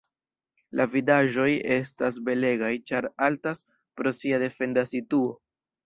La vidaĵoj estas belegaj ĉar altas pro sia defenda situo.